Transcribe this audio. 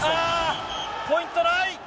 ポイント、ない。